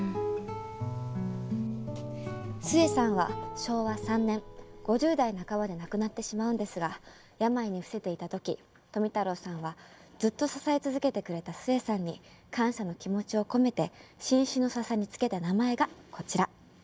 壽衛さんは昭和３年５０代半ばで亡くなってしまうんですが病に伏せていた時富太郎さんはずっと支え続けてくれた壽衛さんに感謝の気持ちを込めて新種のササにつけた名前がこちら。